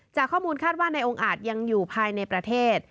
จากข้อมูลคาดว่าในองค์อาจยังอยู่ภายในประเทศ